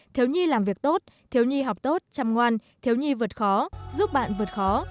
thiếu nhi làm việc tốt thiếu nhi học tốt chăm ngoan thiếu nhi vượt khó giúp bạn vượt khó